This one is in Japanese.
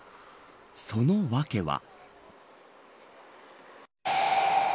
その訳は。